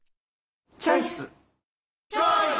チョイス！